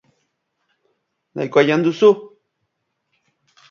Nahikoa jan duzu?